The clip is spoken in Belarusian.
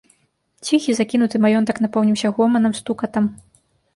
Ціхі закінуты маёнтак напоўніўся гоманам, стукатам.